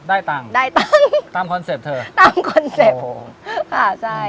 ได้ตังค์ได้ตังค์ตามคอนเซ็ปต์เธอตามคอนเซ็ปต์โอ้โหค่ะใช่